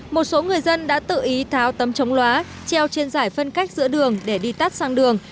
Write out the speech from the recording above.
một số người dân đã tự ý tháo tấm chống loá treo trên giải phân cách giữa đường để đi tắt sang đường